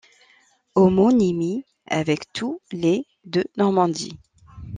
Homonymie avec tous les de Normandie.